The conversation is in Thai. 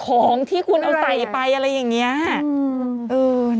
ของที่คุณเอาใส่ไปอะไรอย่างนี้